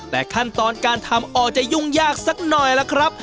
แต่ขั้นตอนการทำออกจะยุ่งยากสักหน่อยล่ะครับ